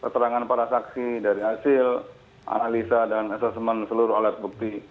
keterangan para saksi dari hasil analisa dan asesmen seluruh alat bukti